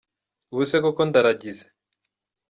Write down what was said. Ubu se koko ndarangize